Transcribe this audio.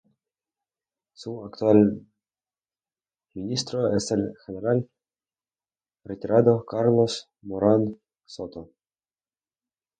Su actual ministro es el general retirado Carlos Morán Soto.